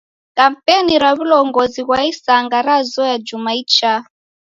Kampeni ra w'ulongozi ghwa isanga razoya juma ichaa.